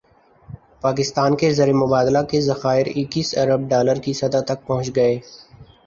پاکستان کے زرمبادلہ کے ذخائر اکیس ارب ڈالر کی سطح تک پہنچ گئے